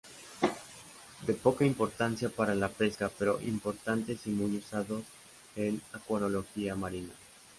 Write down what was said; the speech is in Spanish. De poca importancia para la pesca, pero importantes y muy usados en acuariología marina.